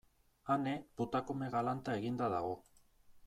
Ane putakume galanta eginda dago.